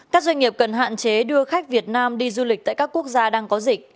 các doanh nghiệp cần hạn chế đưa khách việt nam đi du lịch tại các quốc gia đang có dịch